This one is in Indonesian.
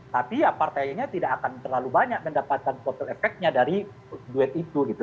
tapi ya partainya tidak akan terlalu banyak mendapatkan kotel efeknya dari duet itu gitu